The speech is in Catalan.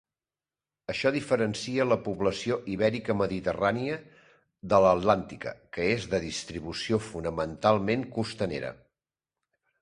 Això diferencia la població ibèrica mediterrània de l'atlàntica, que és de distribució fonamentalment costanera.